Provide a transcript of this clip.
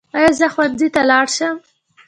ایا زه ښوونځي ته لاړ شم؟